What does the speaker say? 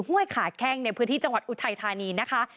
ห้วยขาแข้งในพื้นที่จังหวัดอุทัยธานีนะคะ